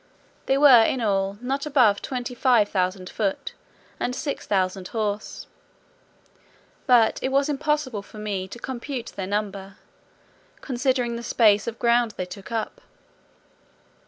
They were in all not above twenty five thousand foot, and six thousand horse; but it was impossible for me to compute their number, considering the space of ground they took up.